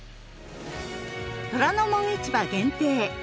『虎ノ門市場』限定。